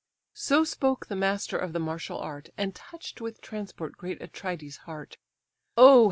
So spoke the master of the martial art, And touch'd with transport great Atrides' heart. "Oh!